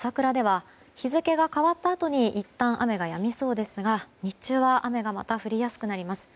福岡の朝倉では日付が変わったあとにいったん雨がやみそうですが日中は雨がまた降りやすくなります。